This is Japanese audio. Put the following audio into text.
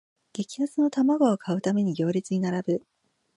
激安の玉子を買うために行列に並ぶ